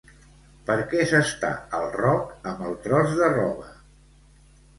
Per què s'està al roc amb el tros de roba?